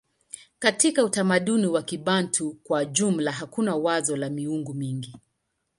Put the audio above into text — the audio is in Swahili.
Katika utamaduni wa Kibantu kwa jumla hakuna wazo la miungu mingi.